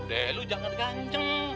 udah lu jangan ganjeng